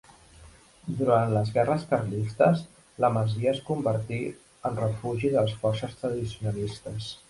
Durant les guerres carlistes la masia es convertí en refugi de les forces tradicionalistes.